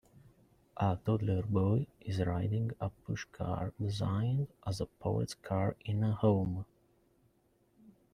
A toddler boy is riding a push car designed as a police car in a home.